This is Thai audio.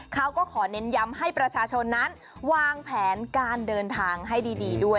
เขาก็ขอเน้นย้ำให้ประชาชนนั้นวางแผนการเดินทางให้ดีด้วย